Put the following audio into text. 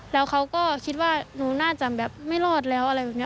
แล้วเขาก็คิดว่าหนูน่าจะแบบไม่รอดแล้วอะไรแบบนี้